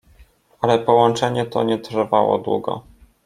Ale połączenie to nie trwało długo.